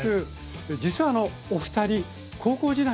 実はお二人高校時代の同級生。